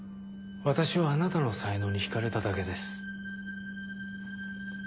私はあなたの才能に引かれただけです。